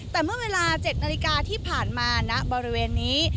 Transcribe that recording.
แต่เมื่อเวลา๗นาฬิกาที่ผ่านมาณบริเวณนี้